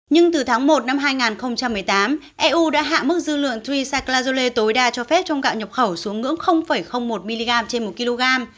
nhưng từ tháng một năm hai nghìn một mươi tám eu đã hạ mức dư lượng pree saclazole tối đa cho phép trong gạo nhập khẩu xuống ngưỡng một mg trên một kg